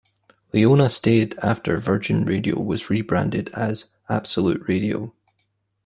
Leona stayed after Virgin Radio was re-branded as "Absolute Radio".